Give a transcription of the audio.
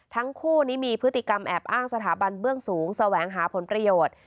ทั้งคู่นี้มีพฤติกรรมแอบอ้างสถาบันเบื้องสูงแสวงหาผลประโยชน์